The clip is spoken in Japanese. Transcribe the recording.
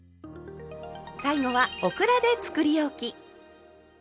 最後はオクラでつくりおき。